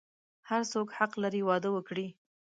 هر څوک حق لری واده وکړی